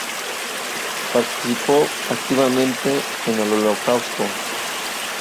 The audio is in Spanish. Participó activamente en el Holocausto.